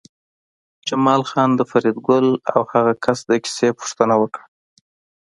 جمال خان د فریدګل او هغه کس د کیسې پوښتنه وکړه